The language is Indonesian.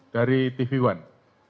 dari tv one